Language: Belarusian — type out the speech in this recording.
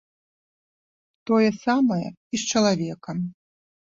Тое самае і з чалавекам.